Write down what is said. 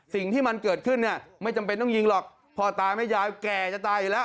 สิ่งที่มันเกิดขึ้นเนี่ยไม่จำเป็นต้องยิงหรอกพ่อตาแม่ยายแก่จะตายอยู่แล้ว